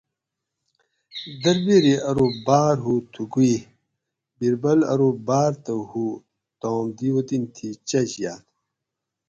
دربیری ارو باۤر ھو تھُکو یٔ؟ بیربل ارو باۤر تہ ھو تام دی وطن تھی چچ یاۤت